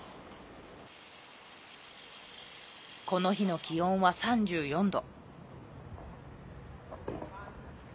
この日の気温は３４度。